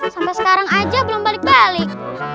sampai sekarang aja belum balik balik